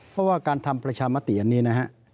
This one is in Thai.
เพราะว่าการทำประชามติอันนี้นะฮะ